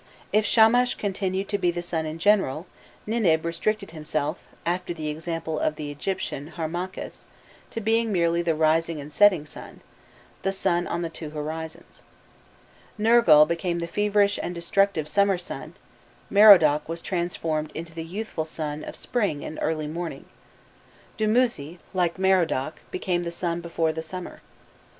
If Shamash continued to be the sun in general, Ninib restricted himself, after the example of the Egyptian Harmakhis, to being merely the rising and setting sun, the sun on the two horizons. Nergal became the feverish and destructive summer sun.* Merodach was transformed into the youthful sun of spring and early morning; Dumuzi, like Merodach, became the sun before the summer.